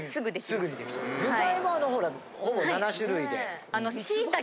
具材もほぼ７種類で。